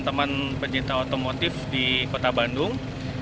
teman pencinta otomotif di kota bandung